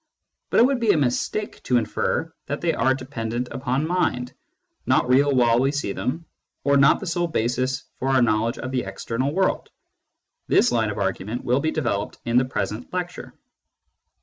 But it would be a mistake to infer that they are dependent upon mind, not real while we see them, or not the sole basis for our knowledge of the external world. This line of argument will be developed in the present lecture.